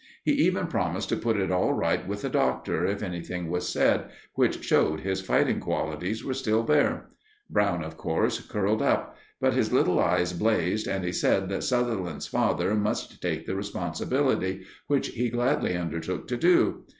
He even promised to put it all right with the Doctor if anything was said, which showed his fighting qualities were still there. Brown, of course, curled up; but his little eyes blazed, and he said that Sutherland's father must take the responsibility, which he gladly undertook to do.